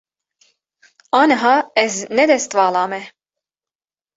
Aniha ez ne destvala me.